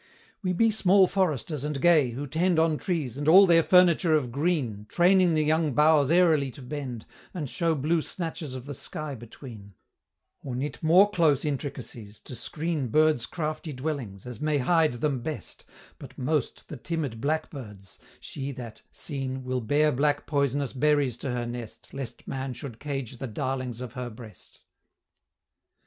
"We be small foresters and gay, who tend On trees, and all their furniture of green, Training the young boughs airily to bend, And show blue snatches of the sky between; Or knit more close intricacies, to screen Birds' crafty dwellings, as may hide them best, But most the timid blackbird's she that, seen, Will bear black poisonous berries to her nest, Lest man should cage the darlings of her breast."